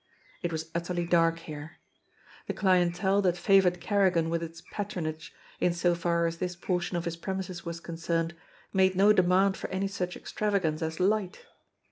It was utterly dark here. The clien tele that favored Kerrigan with its patronage, in so far as this portion of his premises was concerned, made no demand for any such extravagance as light